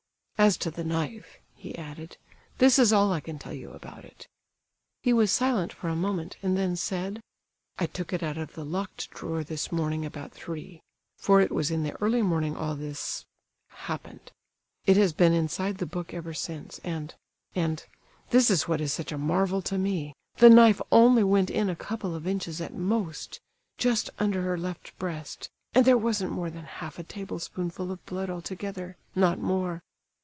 As to the knife," he added, "this is all I can tell you about it." He was silent for a moment, and then said, "I took it out of the locked drawer this morning about three, for it was in the early morning all this—happened. It has been inside the book ever since—and—and—this is what is such a marvel to me, the knife only went in a couple of inches at most, just under her left breast, and there wasn't more than half a tablespoonful of blood altogether, not more."